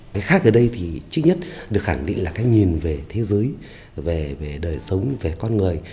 cái khác ở đây thì trước nhất được khẳng định là cái nhìn về thế giới về đời sống về con người